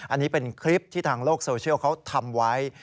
อันนี้เป็นคลิปที่ทางโลกโซเชียลเขาทำไว้